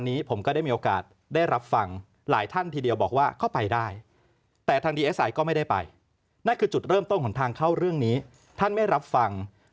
ในรายการนี้ผมก็ได้รับฟัง